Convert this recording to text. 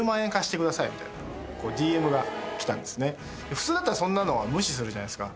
普通だったらそんなのは無視するじゃないですか。